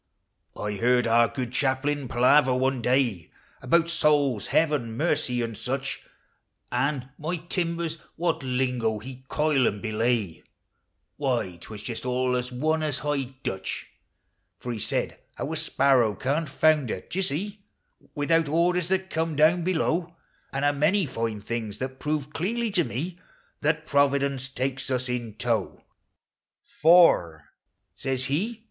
I heard our good chaplain palaver one day AImmii BOUls, heaven, mercy, and such; And. my timbers! what lingo he'd coil and belay; Why, 't was just all as one as Ettgh I hitch ; For be said how a spat row can't rounder, d' ye sec. Without orders that come down below; And a many line things that proved deafly to mo That Providence takes us in tow: u For," says he.